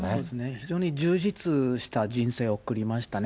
非常に充実した人生を送りましたね。